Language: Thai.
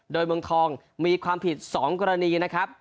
โดยเมืองทองมีความผิด๒กรณีนะครับ